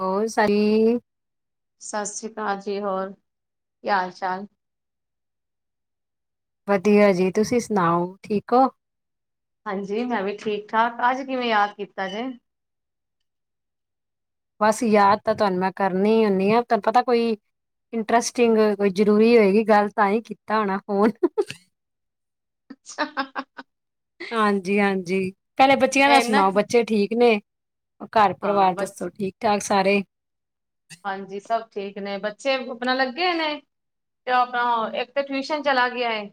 ਹੋਰ ਸਾਰੀ ਸਤਿ ਸ਼੍ਰੀ ਅਕਾਲ ਜੀ ਹੋਰ ਕੀ ਹਾਲ ਚਾਲ ਵਧੀਆ ਜੀ ਤੁਸੀਂ ਸੁਣਾਓ ਠੀਕ ਹੋ ਹਾਂਜੀ ਮੈਂ ਵੀ ਠੀਕ ਠਾਕ ਅੱਜ ਕਿਵੇਂ ਯਾਦ ਕੀਤਾ ਜੇ ਬਸ ਯਾਦ ਤਾਂ ਤੁਹਾਨੂੰ ਮੈਂ ਕਰਨੀ ਹੁੰਦੀ ਹਾਂ ਤਹਾਨੂੰ ਪਤਾ ਕੋਈ ਇੰਟਰਸਟਿੰਗ ਕੋਈ ਜਰੂਰੀ ਹੋਏਗੀ ਗੱਲ ਤਾਂ ਹੀ ਕੀਤਾ ਹੋਣਾ ਫੋਨ [unintelligible] ਹਾਂਜੀ ਹਾਂਜੀ ਪਹਿਲੇ ਬੱਚਿਆਂ ਨਾਲ ਇਨਾ ਸੁਣਾਓ ਬੱਚੇ ਠੀਕ ਨੇ ਘਰ ਹਾਂ ਪਰਿਵਾਰ ਬਚ ਦੱਸੋ ਠੀਕ ਠਾਕ ਸਾਰੇ ਹਾਂਜੀ ਸਭ ਠੀਕ ਨੇ ਬੱਚੇ ਆਪਣਾ ਲੱਗੇ ਨੇ ਤੇ ਆਪਣਾ ਇੱਕ ਤਾਂ ਟਿਊਸ਼ਨ ਚਲਾ ਗਿਆ ਹੈ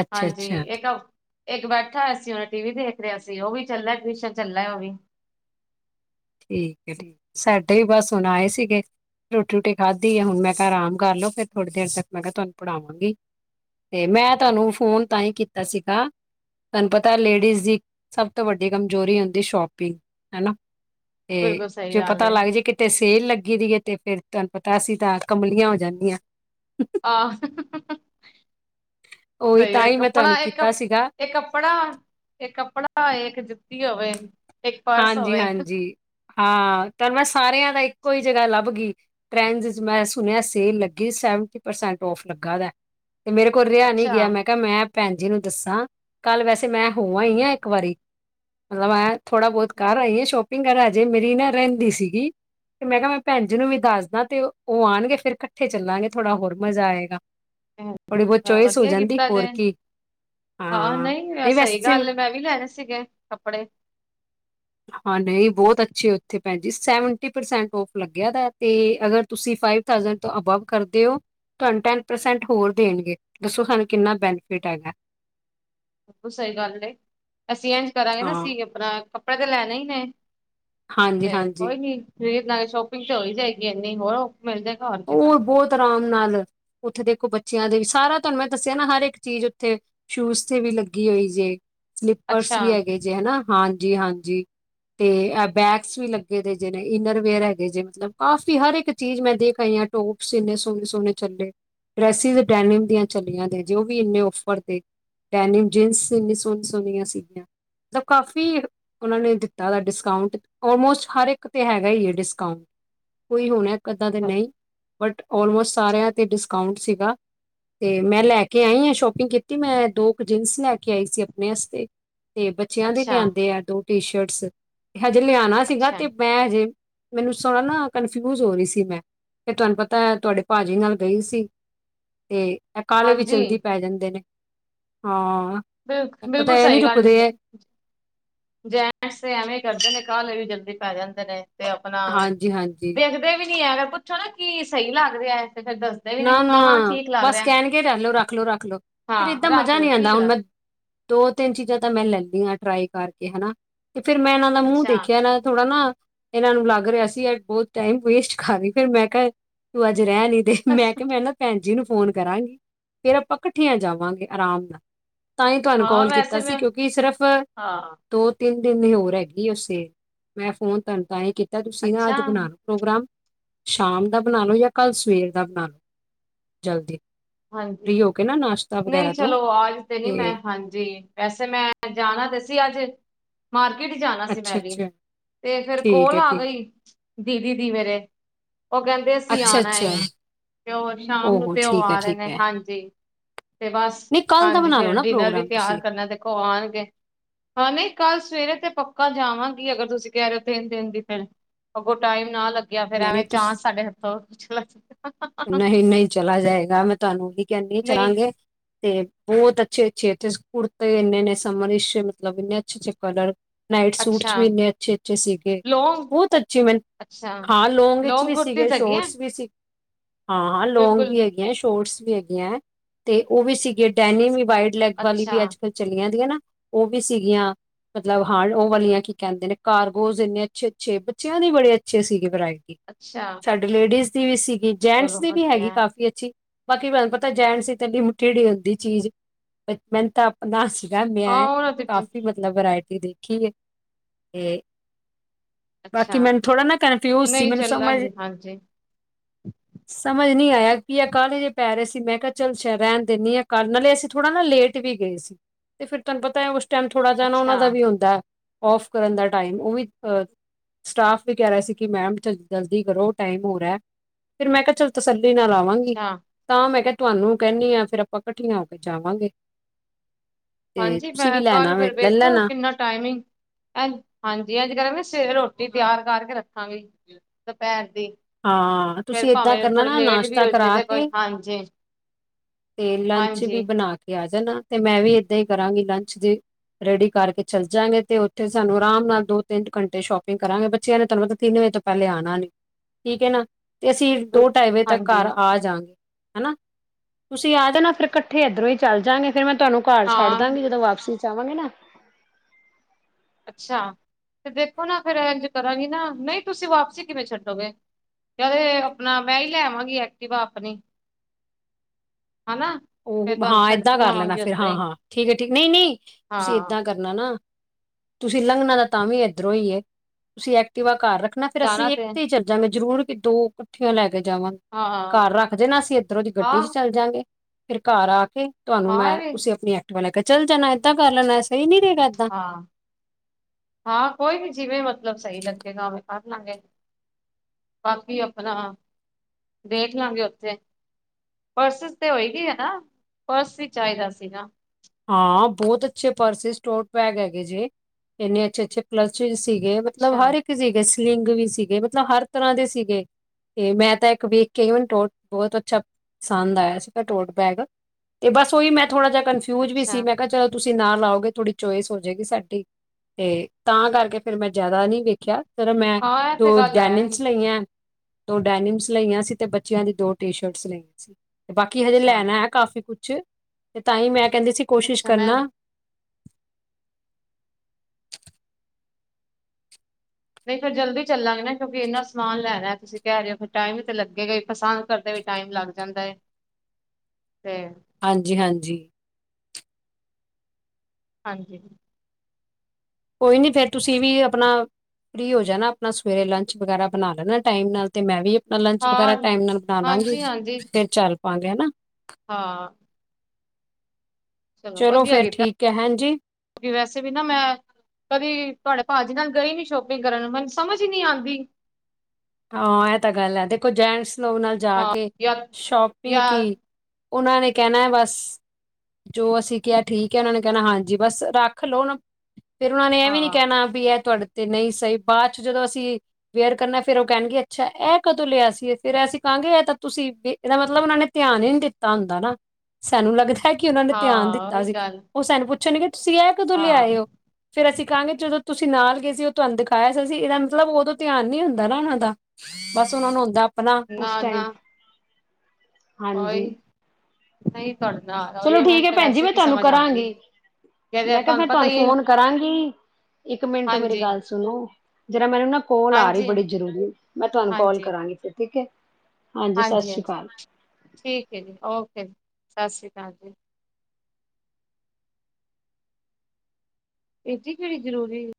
ਅੱਛਾ ਹਾਂਜੀ ਅੱਛਾ ਇਹ ਇੱਕ ਬੈਠਾ ਸੀ ਉਹਨੇ ਟੀ ਵੀ ਦੇਖ ਰਿਹਾ ਸੀ ਉਹ ਵੀ ਚੱਲਿਆ ਟਊਸ਼ਨ ਚੱਲ ਉਹ ਵੀ ਠੀਕ ਹੈ ਠੀਕ ਸਾਡੇ ਵੀ ਬਸ ਹੁਣ ਆਏ ਸੀਗੇ ਰੋਟੀ ਰੋਟੀ ਖਾਧੀ ਹੈ ਹੁਣ ਮੈਂ ਕਿਹਾ ਆਰਾਮ ਕਰ ਲ ਫਿਰ ਥੋੜੀ ਦੇਰ ਤੱਕ ਮੈਂ ਕਿਹਾ ਤੁਹਾਨੂੰ ਪੜਾਵਾਂਗੀ ਤੇ ਮੈਂ ਤੁਹਾਨੂੰ ਫੋਨ ਤਾਂ ਹੀ ਕੀਤਾ ਸੀਗਾ ਤੁਹਾਨੂੰ ਪਤਾ ਲੇਡੀਜ਼ ਦੀ ਸਭ ਤੋਂ ਵੱਡੀ ਕਮਜ਼ੋਰੀ ਹੁੰਦੀ ਸ਼ੋਪਿੰਗ ਹਨਾ ਤੇ ਬਿਲਕੁਲ ਸਹੀ ਜੋੇ ਗੱਲ ਪਤਾ ਹੈ ਲੱਗ ਜਾੇ ਕਿ ਤੇ ਸੇਲ ਲੱਗੀ ਦੀ ਹੈ ਤੇ ਫੇਰ ਤੁਹਾਨੂੰ ਪਤਾ ਅਸੀਂ ਤਾਂ ਕਮਲੀਆਂ ਹੋ ਜਾਂਦੀਆ ਆਹ ਉਹੀ ਸਹੀ ਤਾਂ ਹੈ ਹੀ ਮੈਂ ਤੁਹਾਨੂੰ ਕੱਪੜਾ ਇਹ ਕੀਤਾ ਸੀਗਾ ਇਹ ਕੱਪੜਾ ਇਹ ਕੱਪੜਾ ਇੱਕ ਜੁੱਤੀ ਹੋਵੇ ਇੱਕ ਪਰਸ ਹਾਂਜੀ ਹੋਵੇ ਹਾਂਜੀ ਹਾਂ ਤ ਮੈਂ ਸਾਰਿਆਂ ਦਾ ਇੱਕੋ ਹੀ ਜਗ੍ਹਾ ਲੱਭ ਗਈ ਟ੍ਰੈਂਡਜ਼ ਮੈਂ ਸੁਣਿਆ ਸੇਲ ਲੱਗੀ ਸੈਵਨਟੀ ਪਰਸੈਂਟ ਔਫ ਲੱਗਾ ਦਾ ਹੈ ਤੇ ਮੇਰੇ ਕੋਲ ਰਿਹਾ ਨ ਨਹੀਂ ਗਿਆ ਅੱਛਾ ਮੈਂ ਕਿਹਾ ਮੈਂ ਭੈਣ ਜੀ ਨੂੰ ਦੱਸਾਂ ਕੱਲ ਵੈਸੇ ਮੈਂ ਹੋਵ ਹੀ ਆਾਂ ਇੱਕ ਵਾਰੀ ਮਤਲਬ ਮ ਥੋੜਾ ਬਹੁਤ ਘ ਆਈ ਆਏ ਸ਼ੋਪਿੰਗ ਕਰ ਆਜੇ ਮੇਰੀ ਨਾ ਰਹਿੰਦੀ ਸੀਗੀ ਤੇ ਮੈਂ ਕਿਹਾ ਮੈਂ ਭੈਣ ਜੀ ਨੂੰ ਵੀ ਦੱਸਦਾ ਤੇ ਉਹ ਆਉਣਗੇ ਫੇਿਰ ਇਕੱਠੇ ਚੱਲਾਂਗੇ ਥੋੜਾ ਹੋਰ ਮਜ਼ਾ ਆਏਗਾ ਥੋੜ੍ਹੀ ਬਹੁਤ ਚੋਇਸ ਹੋ ਵਧੀਆ ਜਾਂਦੀ ਕੀਤਾ ਹੋਰ ਜੇ ਕੀ ਹਾਂ ਇਹ ਨਹੀਂ ਸਹੀ ਵੈਸੇ ਗੱਲ ਹੈ, ਮੈਂ ਵੀ ਲੈਣੇ ਸੀਗੇ ਕੱਪੜੇ ਹਾਂ ਨਹੀਂ ਬਹੁਤ ਅੱਛੇ ਉੱਥੇ ਭੈਣ ਜੀ ਸੈਵਨਟੀ ਪਰਸੈਂਟ ਔਫ ਲੱਗਿਆ ਦਾ ਤੇ ਅਗਰ ਤੁਸੀਂ ਫਾਈਵ ਥਾਸੈਂਡ ਤੋਂ ਅਬਵ ਕਰਦੇ ਹੋ ਤੁਹਾਨੂੰ ਟੈਨ ਪਰਸੈਂਟ ਹੋਰ ਦੇਣਗੇ ਦੱਸੋ ਸਾਨੂੰ ਕਿੰਨਾ ਬੈਨੀਫਿਟ ਹੈਗਾ ਸਹੀ ਗੱਲ ਅਸੀਂ ਇੰਝ ਕਰਾਂਗੇ ਨਾ ਹਾਂ ਅਸੀਂ ਆਪਣਾ ਕੱਪੜੇ ਤੇ ਲੈਣੇ ਹੀ ਨੇ ਤੇ ਹਾਂਜੀ-ਹਾਂਜੀ। ਕੋਈ ਨੀ ਫ ਨਾਲ ਸ਼ੋਪਿੰਗ ਚ ਹੋਈ ਜਾਏਗੀ ਇੰਨੀ ਹੋਰ ਮਿਲ ਜਾਏਗਾ ਹੋਰ ਕਿਸ ਉਹ ਸਾਨੂੰ ਬਹੁਤ ਆਰਾਮ ਨਾਲ ਉੱਥੇ ਦੇਖੋ ਬੱਚਿਆਂ ਦੇ ਸਾਰਾ ਤੁਹਾਨੂੰ ਮੈਂ ਦੱਸਿਆ ਨਾ ਹਰ ਇੱਕ ਚੀਜ਼ ਉੱਥੇ ਸ਼ੂਜ ਤੇ ਵੀ ਲੱਗੀ ਹੋਈ ਜੇ ਸਲੀਪਰਸ ਅੱਛਾ, ਵੀ ਹੈਗੇ ਜੇ ਹਨਾ ਹਾਂਜੀ ਹਾਂਜੀ ਤੇ ਬੈਗਸ ਵੀ ਲੱਗੇ ਦੇ ਜਿ ਨੇ ਇਨਰਵੇੇਅਰ ਹੈਗੇ ਜੇ ਮਤਲਬ ਕਾਫੀ ਹਰ ਇੱਕ ਚੀਜ਼ ਮੈਂ ਦੇਖ ਕਈਆਂ ਟੋਪ ਸੀਨੇ ਸੋਹਣੇ ਸੋਹਣੇ ਚੱਲੇ ਡਰੈਸਿਸ ਡੈਨਮ ਦੀਆਂ ਚੱਲੀਆਂ ਨੇ ਜੇ ਉਹ ਵੀ ਇੰਨੇ ਓਫਰ ਤੇ ਡੈਨਿਵ ਜਿਨਸ ਇੰਨਨੀ ਸੋਹਣੀ ਸੋਹਣੀਆਂ ਸੀਗੀਆਂ ਮਤਲਬ ਕਾਫੀ ਉਹਨਾਂ ਨੇ ਦਿੱਤਾ ਡਿਸਕਾਊਂਟ ਆਲਮੋਸਟ ਹਰ ਇੱਕ ਤੇ ਹੈਗਾ ਹੀ ਹੈ ਡਿਸਕਾਊਂਟ ਕੋਈ ਹੁਣ ਕਿੱਦਾਂ ਤੇ ਅੱਛਾ, ਨਹੀਂ ਬਟ ਲਮੋਸਟ ਸਾਰਿਆਂ ਤੇ ਡਿਸਕਾਊਂਟ ਸੀਗਾ ਤੇ ਮੈਂ ਲੈ ਕੇ ਆਈ ਹਾਂ ਸ਼ੋਪਿੰਗ ਕੀਤੀ ਮੈਂ ਦੋ ਕੁ ਜੀਨਸ ਲੈ ਕੇ ਆਈ ਸੀ ਆਪਣੇ ਵਸਤੇ ਤੇ ਬੱਚਿਆਂ ਦੇ ਅੱਛਾ ਲਿਆਂਦੇ ਹੈ ਦੋ ਟੀ ਸ਼ਰਟਸ ਹਜੇ ਲਿਆਣਾ ਸੀਗਾ ਅੱਛਾ ਤੇ ਮੈਂ ਹਜੇ ਮੈਨੂੰ ਸੋਹਣਾ ਨਾ ਕੰਨਫਿਊਜ ਹੋ ਰਹੀ ਸੀ ਮੈਂ ਫ ਤੁਹਾਨੂੰ ਪਤਾ ਤੁਹਾਡੇ ਭਾਜੀੀ ਨਾਲ ਗਈ ਸੀ ਤੇ ਇਹ ਕਾਲੇ ਵੀ ਹਾਂਜੀ ਚਲਦੀ ਪੈ ਜਾਂਦੇ ਨੇ ਹਾਂ ਬਿਲਕੁ ਪਤਾ ਬਿਲਕੁਲ ਇਹ ਨੀ ਸਹੀ ਗੱਲ ਰੁਕਦੇ ਕੀਤੀ ਹੈ ਜੈਂਟਸ ਐਵੇਂ ਕਰਦੇ ਨੇ ਕਾਹਲੇ ਵੀ ਜਲਦੀ ਪੈ ਜਾਂਦੇ ਨੇ ਤੇ ਆਪਣਾ ਹਾਂਜੀ ਹਾਂਜੀ ਦੇਖਦੇ ਵੀ ਨੀ ਹੈ ਅਗਰ ਪੁੱਛੋ ਨਾ ਕੀ ਸਹੀ ਲੱਗਦੇ ਹੈ ਤੇ ਫੇਰ ਦੱਸ ਨਾ ਨਾ ਬਸ ਕਹਿਣ ਕੇ ਰੱਖ ਲੋ ਰੱਖ ਲੋ ਰੱਖ ਲਓ ਫਿਰ ਹਾਂ ਏਦਾਂ ਰੱਖ ਮਜ਼ਾ ਲੋ ਨਹੀਂ ਆਉਂਦਾ ਠੀਕ ਹੁਣ ਲੱਗ ਮੈਂ ਦੋ ਤਿੰਨ ਚੀਜ਼ਾਂ ਤਾਂ ਮੈਂ ਲੈਂਦੀ ਹਾਂ ਟਰਾਈ ਕਰਕੇ ਹੈਨਾ ਤੇ ਫੇਰ ਮੈਂ ਇਹਨਾਂ ਦਾ ਮੂੰਹ ਅੱਛਾ ਦੇਖਿਆ ਨਾ ਥੋੜਾ ਨਾ ਇਹਨਾਂ ਨੂੰ ਲੱਗ ਰਿਹਾ ਸੀ ਅੱਜ ਬਹੁਤ ਟਾਈਮ ਵੇਸਟ ਕਰਾ ਰਹੀ ਫਿਰ ਮੈਂ ਕਿਹਾ ਤੂੰ ਅੱਜ ਰਹਿਣ ਹੀ ਦੇ ਮੈਂ ਅੱਛਾ। ਕਿਹਾ ਮੈਂ ਨਾ ਭੈਣ ਜੀ ਨੂੰ ਫ਼ੋਨ ਕਰਾਂਗੀ, ਫੇਰ ਆਪਾਂ ਇਕੱਠੀਆਂ ਜਾਵਾਂਗੇ ਆਰਾਮ ਨਾਲ। ਤਾਂ ਹੀ ਤੁਹਾਨੂੰ ਹਾਂ ਕਾਲ ਕੀਤਾ ਵੈਸੇ ਸੀ ਮੈਂ ਕਿਉਂਕਿ ਸਿਰਫ ਹਾਂ ਦੋ ਤਿੰਨ ਦਿਨ ਹੋਰ ਹੈਗੀ ਉਸੇ ਮੈਂ ਫੋਨ ਤੁਹਾਨੂੰ ਤਾਂ ਹੀ ਕੀਤਾ ਤੁਸੀਂ ਨਾ ਅੱਛਾ ਅੱਜ ਬਣਾ ਲੋ ਪ੍ਰੋਗਰਾਮ ਸ਼ਾਮ ਦਾ ਬਣਾ ਲੋ ਜਾਂ ਕੱਲ ਸਵੇਰ ਦਾ ਬਣਾ ਲੋ ਜਲਦੀ ਹਾਂਜੀ ਫ੍ਰੀ ਹੋ ਕੇ ਨਾ ਨਾਸ਼ਤਾ ਨਹੀਂ ਵਗੈਰਾ ਤੋਂ ਚਲੋ ਆਜ ਤੇ ਨੀ ਮੈਂ ਹਾਂਜੀ ਵੈਸੇ ਮੈਂ ਜਾਣਾ ਤੁਸੀ ਅੱਜ ਮਾਰਕੀਟ ਜਾਣਾ ਸੀ ਅੱਛਾ ਮੈਂ ਵੀ ਅੱਛਾ ਤੇ ਫੇਰ ਠੀਕ ਕੋਲ ਹੈ ਆ ਠੀਕ ਗਈ ਦੀ ਦੀ ਦੀ ਮੇਰੇ ਉਹ ਕਹਿੰਦੇ ਫੇਰ ਅਸੀਂ ਅੱਛਾ ਆਣਾ ਐ, ਅੱਛਾ ਤਿਓ ਸ਼ਾਮ ਨੂੰ ਓਹੋ ਪਿਓ ਠੀਕ ਹੈ, ਆ ਰਹੇ ਠੀਕ ਨੇ ਹੈ। ਹਾਂਜੀ। ਤੇ ਬਸ ਨਹੀਂ ਕੱਲ ਦਾ ਹਾਂਜੀ, ਬਣਾ ਲਓ ਫਿਰ ਨਾ ਡਿਨਰ ਵੀ ਪ੍ਰੋਗਰਾਮ ਤਿਆਰ ਤੁਸੀਂ ਕਰਨਾ ਦੇਖੋ ਆਣਗੇ। ਹਾਂ ਨਹੀਂ ਕੱਲ੍ਹ ਸਵੇਰੇ ਤੇ ਪੱਕਾ ਜਾਵਾਂਗੀ, ਅਗਰ ਤੁਸੀਂ ਕਹਿ ਰਹੇ ਹੋ ਦੇਣ-ਦੇਣ ਦੀ ਫਿਰ ਅਗੋਂ ਟਾਈਮ ਨਾ ਲੱਗਿਆ, ਫੇਰ ਨਹੀਂ-ਨਹੀਂ ਐਵੇਂ ਤੁਸ ਚਾਂ ਸਾਡੇ ਹੱਥੋਂ। ਨਹੀਂ-ਨਹੀਂ, ਚਲਾ ਜਾਏਗਾ, ਮੈਂ ਤੁਹਾਨੂੰ ਵੀ ਕਹਿੰਦੀ ਨਹੀਂ ਚੱਲਾਂਗੇ। ਤੇ ਬਹੁਤ ਅੱਛੇ-ਅੱਛੇ ਇੱਥੇ, ਕੁੜਤੇ ਇੰਨੇ-ਇੰਨੇ ਸਮਰਿਸ਼ ਮਤਲਬ ਇੰਨੇ ਅੱਛੇ-ਅੱਛੇ ਕਲਰ, ਨਾਈਟ ਅੱਛਾ ਸੂਟਸ ਵੀ ਇੰਨੇ ਅੱਛੇ-ਅੱਛੇ ਸੀਗੇ ਲੌਂਗ ਬਹੁਤ ਅੱਛੀ ਮੈ, ਅੱਛਾ ਹਾਂ ਲੋਂਗ ਵਿੱਚ ਲੌਂਗ ਵੀ ਕੁੁਰਤੀ ਸੀਗੇ, ਚ ਹੈਗੀ ਹੈ ਸ਼ੋਰਟਸ ਵੀ ਸੀ। ਹਾਂ-ਹਾਂ ਲੋਂਂਗ ਬਿਲਕੁਲ ਵੀ ਹੈਗੇ ਹੈ, ਸ਼ੋਰਟਸ ਵੀ ਹੈਗੀਆਂ ਹੈ, ਤੇ ਉਹ ਵੀ ਸੀਗੇ ਡੈਨੀ ਵੀ ਵਾਈਡ ਲੈਗ ਵਾਲੀ ਅੱਛਾ ਵੀ ਅੱਜ-ਕੱਲ੍ਹ ਚਲੀਆਂ ਦੀਆਂ ਨਾ ਉਹ ਵੀ ਸੀਗੀਆਂ। ਮਤਲਬ, ਹਾਂ ਉਹ ਵਾਲੀਆਂ ਕੀ ਕਹਿੰਦੇ ਨੇ ਕਾਰਗੋਜ ਇੰਨੇ ਅੱਛੇ-ਅੱਛੇ ਬੱਚਿਆਂ ਦੇ ਬੜੇ ਅੱਛੇ ਸੀਗੇ ਵਰਾਇਟੀ। ਅੱਛਾ, ਸਾਡੇ ਲੇਡੀਜ਼ ਦੀ ਵੀ ਸੀਗੀ, ਜੈਂਟਸ ਚਲੋ ਦੀ ਵੀ ਹੈਗੀ ਵਧੀਆ ਹੈ ਕਾਫੀ ਅੱਛੀ, ਬਾਕੀ ਮੈਨੂੰ, ਪਤਾ ਜੇਣਸ ਦੀ ਤਾ ਮੁਠੀੜੀ ਹੁੰਦੀ ਚੀਜ਼ ਮੈਨੂੰ ਤਾਂ ਆਪਣਾ ਸੀਗਾ, ਮੈਂ ਹਾਂ ਉਹਨਾਂ ਤੇ ਕਾਫ਼ੀ ਮਤਲਬ ਵਰਾਇਟੀ ਦੇਖੀ ਹੈ ਤੇ। ਬਾਕੀ ਅੱਛਾ ਮੈਨੂੰ ਥੋੜਾ ਨਾ ਕੰਫਿਊਜ ਸੀ, ਨਹੀਂ ਮੈਨੂੰ ਸਮਝ ਚੱਲਾਂਗੀ ਹਾਂਜੀ, ਸਮਝ ਨੀ ਆਇਆ ਕੀ, ਆ ਕੱਲ੍ਹ ਜੇ ਪੈ ਰਹੇ ਸੀ ਮੈਂ ਕਿਹਾ ਚੱਲ ਰਹਿਣ ਦਿੰਦੀ, ਹਾਂ ਕੱਲ੍ਹ ਨਾਲੇ ਅਸੀਂ ਥੋੜ੍ਹਾ ਨਾ ਲੇਟ ਵੀ ਗਏ ਸੀ, ਤੇ ਫਿਰ ਤੁਹਾਨੂੰ ਪਤਾ ਉਸ ਟਾਈਮ ਥੋੜਾ ਜਾਣਾ, ਉਹਨਾ ਅੱਛਾ ਦਾ ਵੀ ਹੁੰਦਾ। ਔਫ ਕਰਨ ਦਾ ਟਾਈਮ ਉਹ ਵੀ, ਸਟਾਫ ਵੀ ਕਹਿ ਰਹੇ ਸੀ, ਕਿ ਮੈਮ ਜਲਦੀ ਕਰੋ ਟਾਈਮ ਹੋ ਰਿਹਾ। ਫਿਰ ਮੈਂ ਕਿਹਾ ਚੱਲ ਤਸੱਲੀ ਨਾਲ ਆਵਾਂਗੀ। ਅੱਛਾ ਤਾਂ ਮੈਂ ਕਿਹਾ ਤੁਹਾਨੂੰ ਕਹਿੰਨੀ ਹਾਂ ਫੇਰ ਆਪਾਂ ਇਕੱਠੀਆਂ ਹੋ ਕੇ ਜਾਵਾਂਗੇ। ਤੇ ਤੁਸੀਂ ਵੀ ਲੈਣਾ ਵੈ ਲੈ ਲੈਣਾਂ, ਟਾਇਮਿੰਗ ਹਾਂਜੀ ਐਜ ਕਰਾ ਸਵੇਰੇ ਰੋਟੀ ਤਿਆਰ ਕਰਕੇ ਰੱਖਾਂਗੇ। ਦੁਪਹਿਰ ਦੀ, ਹਾਂ ਤੁਸੀਂ ਫੇਰ ਏਦਾਂ ਭਾਵੇਂ ਕਰਨਾ ਥੋੜੀ ਨਾ ਲੇਟ ਵੀ ਨਾਸ਼ਤਾ ਹੋ ਜਾਈਏ ਕਰਾ ਤੇ ਕੋਈ ਕੇ ਹਾਂਜੀ ਤੇ ਲੰਚ ਵੀ ਹਾਂਜੀ ਬਣਾ ਕੇ ਆ ਜਾਣਾ, ਤੇ ਮੈਂ ਵੀ ਏਦਾਂ ਹੀ ਕਰਾਂਗੀ ਲੰਚ ਦੀ ਰੈਡੀ ਕਰਕੇ ਚੱਲ ਜਾਂਗੇ, ਤੇ ਉੱਥੇ ਸਾਨੂੰ ਆਰਾਮ ਨਾਲ ਦੋ ਤਿੰਨ ਘੰਟੇ ਸ਼ੋਪਿੰਗ ਕਰਾਂਗੇ, ਬੱਚਿਆਂ ਨੇ ਤੁਹਾਨੂੰ ਪਤਾ ਤਿੰਨ ਵਜੇ ਤੱਕ [inaudible] ਪਹਿਲੇ ਆਣਾ ਨੀਂ ਠੀਕ ਹੈ, ਨਾ ਤੇ ਅਸੀਂ ਦੋ ਬਿਲਕੁਲ ਢਾਈ ਵਜੇ ਤੱਕ ਹਾਂਜੀ ਘਰ ਆ ਜਾਗੇ। ਹਨਾ, ਤੁਸੀਂ ਆ ਜਾਣਾ ਫਿਰ ਇਕੱਠੇ ਇਧਰੋਂ ਹੀ ਚੱਲ ਜਾਂਗੇ। ਫੇਰ ਮੈਂ ਤੁਹਾਨੂੰ ਘਰ ਛੱਡ ਹਾਂ ਦਾਂਗੀ, ਜਦੋਂ ਵਾਪਸੀ ਚ ਆਵਾਂਗੀ ਨਾ। ਅੱਛਾ ਤੇ ਦੇਖੋ, ਨਾ ਫਿਰ ਅਰੇਂਜ ਕਰਾਂਗੀ, ਨਾ ਨਹੀਂ ਤੁਸੀਂ ਵਾਪਸੀ ਕਿਵੇਂ ਛੱਡੋਗੇ। ਕ ਆਪਣਾ ਮੈਂ ਹੀ ਲੈ ਆਵਾਂਗੀ, ਐਕਟਿਵਾ ਆਪਣੀ ਹਨਾ। ਫੇਰ ਉਹ ਤੁਹਾਨੂੰ ਹਾਂ ਏਦਾਂ ਛੱਡਦੀ ਕਰ ਲੈਣਾ ਆਵਾਂਗੀ ਫੇਰ ਉੱਧਰੋਂ ਹੀ ਹਾਂ-ਹਾਂ ਠੀਕ ਹੈ, ਠੀਕ ਨਹੀਂ ਨਹੀਂ ਤੁਸੀਂ ਹਾਂ ਏਦਾਂ ਕਰ ਨਾ ਤੁਸੀਂ ਲੰਘਣਾ ਤਾਂ ਵੀ ਇੱਧਰ ਹੀ ਏ ਤੁਸੀਂ ਐਕਟੀਵਾ ਘਰ ਰੱਖ ਨਾ ਫੇਰ ਅਸੀਂ ਇੱਕ ਤੇ ਹੀ ਚਲਜਾਂਗੇ, ਜ਼ਰੂਰ ਕਿ ਦੋ ਕੱਠੀਆਂ ਲੈ ਕੇ ਜਾਵਾਂਗੇ। ਹਾਂ ਘਰ ਰੱਖਦੇ ਨਾ ਅਸੀਂ ਇੱਧਰੋਂ ਦੀ ਗੱਡੀ ਚ ਹਾਂ ਚੱਲ ਜਾਂਗੇ, ਫਿਰ ਘਰ ਆ ਕੇ। ਤੁਹਾਨੂੰ ਹਾਂ ਮੈਂ ਇਹ ਵੀ ਤੁਸੀਂ ਆਪਣੀ ਐਕਟੀਵਾ ਲੈ ਕੇ ਚੱਲ ਜਾਣਾ, ਏਦਾਂ ਕਰ ਲੈਣਾ ਸਹੀ ਨੀ ਰਹੇ ਗਾ ਐਦਾਂ। ਹਾਂ-ਹਾਂ, ਕੋਈ ਨੀ ਜਿਵੇਂ ਮਤਲਬ ਸਹੀ ਲੱਗੇਗਾ, ਉਵੇਂ ਕਰ ਲਾਂਗੇ। ਬਾਕੀ ਆਪਣਾ ਦੇਖ ਲਾਂਗੇ ਉੱਥੇ, ਪਰਸਿਸ ਤੇ ਹੋਏਗੀ ਹੈ, ਨਾ ਪਰਸ ਵੀ ਚਾਹੀਦਾ ਸੀਗਾ। ਹਾਂ ਬਹੁਤ ਅੱਛੇ ਪਰਸ ਸੀ, ਸਟੋਟ ਬੈਗ ਹੈਗੇ, ਜੇ ਇੰਨੇ ਅੱਛੇ ਅੱਛੇ [inaudible] ਕਲਚ ਸੀਗੇ ਮਤਲਬ ਅੱਛਾ ਹਰ ਇੱਕ ਸੀਗੇ ਸਲਿੰਗ ਵੀ ਸੀਗੇ, ਮਤਲਬ ਹਰ ਤਰ੍ਹਾਂ ਦੇ ਸੀਗੇ। ਤੇ ਮੈਂ ਤਾਂ ਇੱਕ ਵੇਖ ਕੇ ਆਈਂ ਟੋਟ ਬਹੁਤ ਅੱਛਾ ਪਸੰਦ ਆਇਆ ਸੀਗਾ ਟੋਟ ਬੈਗ। ਤੇ ਬਸ ਉਹੀ ਮੈਂ ਥੋੜ੍ਹਾ ਜਿਹਾ ਕਨਫਿਊਜ ਵੀ ਸੀ, ਅੱਛਾ ਮੈਂ ਕਿਹਾ ਚਲੋ ਤੁਸੀਂ ਨਾਲ ਆਓਗੇ, ਥੋੜ੍ਹੀ ਚੋਇਸ ਹੋ ਜਾਏਗੀ ਸਾਡੀ। ਤੇ ਤਾਂ ਕਰਕੇ ਫਿਰ ਮੈਂ ਜ਼ਿਆਦਾ ਨਹੀਂ ਵੇਖਿਆ, ਫਿਰ ਮੈਂ ਹਾਂ ਇਹ ਤੇ ਜੋ ਗੱਲ ਹੈ ਡੈਨਿਨਸ ਲਈ ਆ। ਦੋ ਡਾਇਨਮਸ ਲਈਆਂ ਸੀ, ਤੇ ਬੱਚਿਆਂ ਦੀ ਦੋ ਟੀ ਸ਼ਰਟਸ ਲਈਆਂ ਸੀ, ਤੇ ਬਾਕੀ ਹਜੇ ਅੱਛਾ ਲੈਣਾ ਹੈ। ਕਾਫੀ ਕੁਛ ਤੇ ਤਾਂ ਹੀ ਮੈਂ ਕਹਿੰਦੇ ਸੀ, ਕੋਸ਼ਿਸ਼ ਅੱਛਾ ਮੈਂ ਕਰਨਾ ਨਹੀਂ ਫਿਰ ਜਲਦੀ ਚੱਲਾਂਗੇ ਨਾ ਕਿਉਂਕਿ ਇੰਨਾ ਸਮਾਨ ਲੈਣਾ ਤੁਸੀਂ ਕਹਿ ਰਹੇ ਹੋ ਫਿਰ ਟਾਈਮ ਵੀ ਤੇ ਲੱਗੇਗਾਈ ਪਸੰਦ ਕਰਦੇ। ਟਾਈਮ ਲੱਗ ਜਾਂਦਾ ਹੈ ਤੇ- ਹਾਂਜੀ-ਹਾਂਜੀ। ਹਾਂਜੀ ਕੋਈ ਨੀ ਫੇਰ ਤੁਸੀਂ ਵੀ ਆਪਣਾ- ਫਰੀ ਹੋ ਜਾਣਾ ਆਪਣਾ ਸਵੇਰੇ ਲੰਚ ਵਗੈਰਾ ਬਣਾ ਲੈਣਾ ਟਾਈਮ ਨਾਲ ਤੇ ਮੈਂ ਵੀ- ਨਾਲ ਲੰਚ ਹਾਂ, ਵਗੈਰਾ ਟਾਈਮ ਨਾਲ ਬਣਾ ਲਾਂਗੀ ਹਾਂਜੀ-ਹਾਂਜੀ, ਫੇਰ ਚੱਲ ਪਾਂਗੇ ਹੇਨਾ। ਹਾਂ ਚਲੋ ਵਧੀਆ ਫੇਰ ਕੀਤਾ ਠੀਕ ਹੈ ਹਾਂਜੀ ਵੈਸੇ ਵੀ ਨਾ ਮੈਂ- ਕਦੀ ਤੁਹਾਡੇ ਭਾਅਜੀ ਨਾਲ ਗਏ ਨੀ ਸ਼ੋਪਿੰਗ ਕਰਨ ਮੈਨੂੰ ਸਮਝ ਹੀ ਨੀ ਆਉਂਦੀ। ਹਾਂ ਇਹ ਤਾਂ ਗੱਲ ਹੈ ਦੇਖੋ ਜੈਂਟਸ ਨੂੰ ਨਾਲ ਜਾ ਹਾਂ ਕੇ ਯਾ ਯਾ ਸ਼ੋਪਿੰਗ ਕੀ- ਉਹਨਾਂ ਨੇ ਕਹਿਣਾ ਹੈ ਬਸ- ਜੋ ਅਸੀਂ ਕਿਹਾ ਠੀਕ ਹੈ ਉਹਨਾਂ ਨੇ ਕਹਿਣਾ ਹਾਂਜੀ ਬਸ ਰੱਖ ਲਓ ਨਾ। ਫਿਰ ਉਹਨਾ ਨੇ ਇਹ ਵੀ ਨੀ ਹਾਂ, ਕਹਿਣਾ ਵੀ ਇਹ ਤੁਹਾਡੇ ਤੇ ਨਹੀਂ ਸਹੀ ਬਾਅਦ ਚ ਜਦੋਂ ਅਸੀਂ ਵੇਐਰ ਕਰਨਾਂ। ਫੇਰ ਉਹ ਕਹਿਣਗੇ ਅੱਛਾ ਇਹ ਕਦੋਂ ਲਿਆ ਸੀ ਫੇਰ ਅਸੀਂ ਕਹਾਂਗੇ ਇਹ ਤਾਂ ਤੁਸੀਂ ਇਹਦਾ ਮਤਲਬ ਉਹਨਾਂ ਨੇ ਧਿਆਨ ਹੀ ਨਹੀਂ ਦਿੱਤਾ। ਤਾ ਹੁੰਦਾ ਨਾ ਸਾਨੂੰ ਲੱਗਦਾ ਹੈ ਕਿ ਉਹਨਾਂ ਨੇ ਧਿਆਨ ਹਾਂ ਦਿੱਤਾ ਉਹੀ ਸੀ। ਗੱਲ ਉਹ ਸਾਨੂੰ ਪੁੱਛਣਗੇ ਤੁਸੀਂ ਆ ਕਦੋਂ ਲਿਆ ਹਾਂ ਆਏ ਹੋ। ਫੇਰ ਅਸੀਂ ਕਹਾਂਗੇ ਜਦੋਂ ਤੁਸੀਂ ਨਾਲ ਗਏ ਸੀ ਉਹ ਤੁਹਾਨੂੰ ਦਿਖਾਇਆ ਸੀ ਇਹਦਾ ਮਤਲਬ ਉਦੋਂ ਧਿਆਨ ਨਹੀਂ- ਹ ਨਾ ਉਹਨਾਂ ਦਾ ਬਸ ਉਹਨਾਂ ਨੂੰ ਹੁੰਦਾ ਆਪਣਾ ਉਸ ਟਾਈਮ। ਨਾ-ਨਾ ਹਾਂਜੀ ਉਹੀ ਨਹੀਂ ਤੁਹਾਡੇ ਨਾਲ ਚਲੋ ਉਹੀ ਠੀਕ ਮੈਨੂੰ ਹੈ ਤੇ ਭੈਣ ਜ ਵੈਸੇ ਮੈਂ ਨੀ ਤੁਹਾਨੂੰ ਸਮਝ ਆਂਦੀ ਕਰਾਂਗੀ। ਜਦ ਮੈਂ ਕਿਹਾ। ਫੇਿਰ ਪਤਾ ਤੁਹਾਨੂੰ ਹੀ ਹੈ। ਫੋਨ ਕਰਾਗੀ। ਇੱਕ ਮਿੰਟ। ਮੇਰੀ ਹਾਂਜੀ, ਗੱਲ ਸੁਣੋ। ਜਰਾ। ਮੈਨੂੰ ਨਾ। ਕੋਲ ਆ ਰਹੀ। ਹਾਂਜੀ, ਬੜੀ ਜ਼ਰੂਰੀ। ਮੈਂ ਤੁਹਾਨੂੰ ਕਾਲ ਕਰਾਂਗੀ। ਫੇ ਠੀਕ ਹੈ। ਸਤਿ ਹਾਂਜੀ। ਸ਼੍ਰੀ ਅਕਾਲ ਹਾਂਜੀ। ਠੀਕ ਹੈ ਜੀ। ਓਕੇ ਜੀ ਸਤਿ ਸ਼੍ਰੀ ਅਕਾਲ ਜੀ। ਇਹ ਜੀਹੜੀ ਜ਼ਰੂਰੀ ਹੈ।